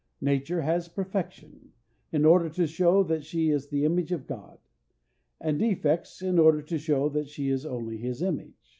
Nature has perfection, in order to show that she is the image of God; and defects, in order to show that she is only his image.